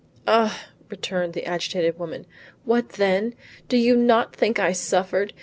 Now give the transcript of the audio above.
"Ah," returned the agitated woman, "what then! Do you not think I suffered?